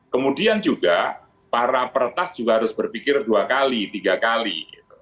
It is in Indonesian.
kemudian juga para peretas juga harus berpikir dua kali tiga kali